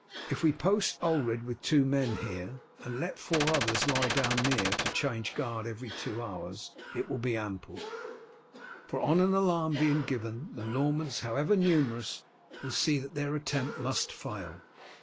If we post Ulred with two men here and let four others lie down near to change guard every two hours, it will be ample, for on an alarm being given, the Normans however numerous will see that their attempt must fail.